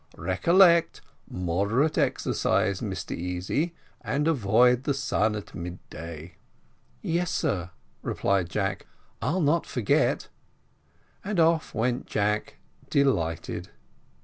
Recollect, moderate exercise, Mr Easy, and avoid the sun at midday." "Yes, sir," replied Jack, "I'll not forget;" and off went Jack, delighted.